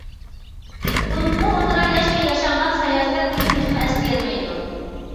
بولۇپمۇ ئوتتۇرا ياش ۋە ياشانغان ساياھەتچىلەر بۇنى تېخىمۇ ئەسلىيەلمەيدۇ.